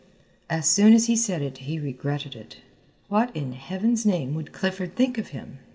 As soon as he said it he regretted it. What in Heaven's name would Clifford think of him!